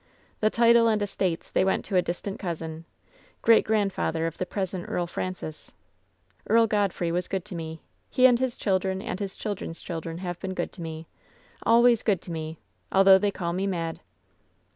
"The title and estates, they went to a distant cousin, great grandfather of the present Earl Fraiicis. Earl Godfrey was good to me — ^he and his children and his children's children have been good to me — always good to me, although they call me mad.